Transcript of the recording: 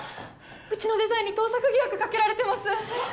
うちのデザインに盗作疑惑かけられてますえっ？